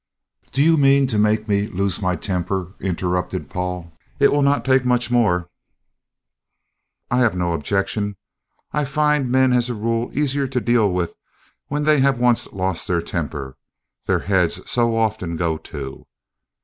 "Do you mean to make me lose my temper?" interrupted Paul. "It will not take much more." "I have no objection. I find men as a rule easier to deal with when they have once lost their temper, their heads so often go too.